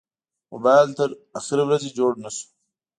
موبایل تر اخرې ورځې جوړ نه شو.